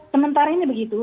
sementara ini begitu